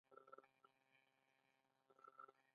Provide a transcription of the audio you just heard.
هر څوک چې په لاندې لارښوونو عمل وکړي نه ناروغه کیږي.